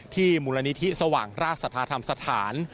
มูลนิธิสว่างราชสัทธาธรรมสถาน